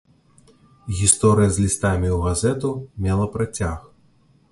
Гісторыя з лістамі ў газету мела працяг.